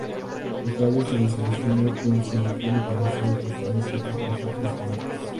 Más tarde se desilusionó con su religión y comenzó a cuestionar ciertos principios islámicos.